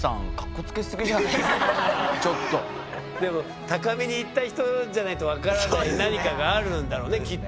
ちょっとでも高みに行った人じゃないと分からない何かがあるんだろうねきっと。